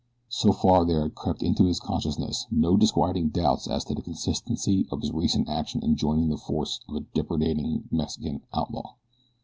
So far there had crept into his consciousness no disquieting doubts as to the consistency of his recent action in joining the force of a depredating Mexican outlaw.